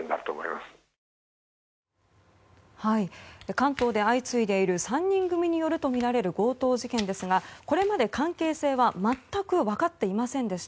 関東で相次いでいる３人組によるとみられる強盗事件ですがこれまで関係性は全く分かっていませんでした。